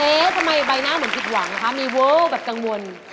ทำไมใบหน้าเหมือนผิดหวังคะมีโว้แบบกังวล